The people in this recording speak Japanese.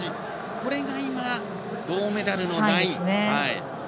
これが今、銅メダルのライン。